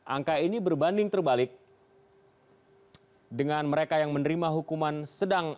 angka ini berbanding terbalik dengan mereka yang menerima hukuman sedang